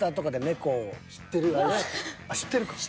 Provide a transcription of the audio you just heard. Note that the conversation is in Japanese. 知ってるか。